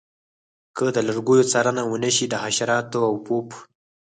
که د لرګیو څارنه ونشي د حشراتو او پوپ